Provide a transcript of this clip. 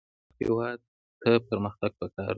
هېواد ته پرمختګ پکار دی